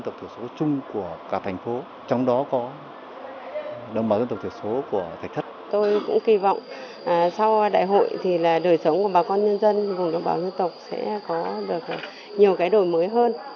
tôi cũng kỳ vọng sau đại hội thì đời sống của bà con nhân dân vùng đồng bào dân tộc sẽ có được nhiều cái đổi mới hơn